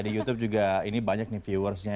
di youtube juga ini banyak nih viewersnya